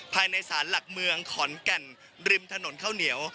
ภายในสารหลักเมืองขอนแก่นริมถนนข้าวเหนียว